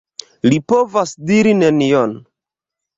Li povas diri nenion.